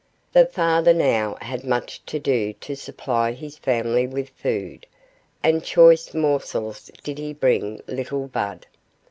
The father now had much to do to supply his family with food, and choice morsels did he bring little Bud.